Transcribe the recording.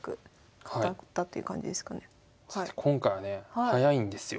今回はね早いんですよ。